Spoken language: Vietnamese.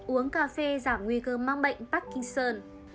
uống cà phê giảm nguy cơ mắc bệnh parkinson